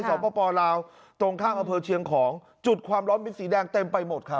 สปลาวตรงข้างอำเภอเชียงของจุดความร้อนมีสีแดงเต็มไปหมดครับ